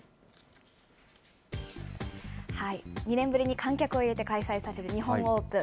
２年ぶりに観客を入れて開催される日本オープン。